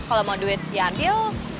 kalau mau duit ya ambil